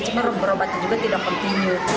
cuma berobatnya juga tidak kontinu